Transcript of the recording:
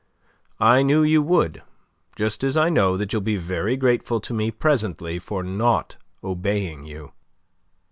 "I knew you would. Just as I know that you'll be very grateful to me presently for not obeying you."